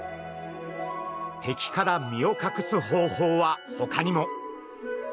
敵から身をかくす方法はほかにも。